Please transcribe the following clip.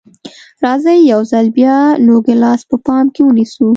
راځئ یو ځل بیا نوګالس په پام کې ونیسو.